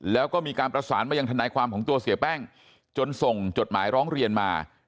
แล้วก็มีการประสานมายังทนายความของตัวเสียแป้งจนส่งจดหมายร้องเรียนมา